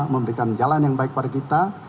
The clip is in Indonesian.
memberikan jalan yang baik pada kita